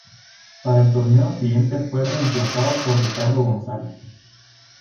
Para el torneo siguiente fue reemplazado por Ricardo González.